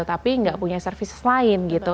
tapi nggak punya services lain gitu